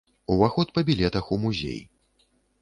Уваход па білетах у музей.